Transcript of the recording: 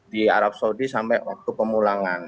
di arab saudi sampai waktu pemulangan